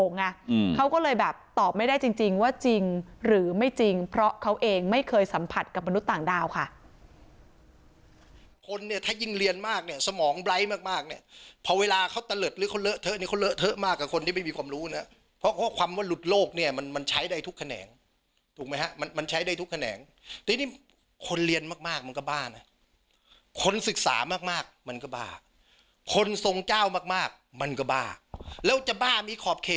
คนเนี่ยถ้ายิ่งเรียนมากเนี่ยสมองไบร์ทมากมากเนี่ยพอเวลาเขาตะเลิศหรือเขาเลอะเทอะเนี่ยเขาเลอะเทอะมากกับคนที่ไม่มีความรู้นะเพราะข้อความว่าหลุดโลกเนี่ยมันมันใช้ได้ทุกแขนงถูกไหมฮะมันมันใช้ได้ทุกแขนงทีนี้คนเรียนมากมากมันก็บ้านะคนศึกษามากมากมันก็บ้าคนทรงเจ้ามากมากมันก็บ้าแล้วจะบ้ามีขอบเข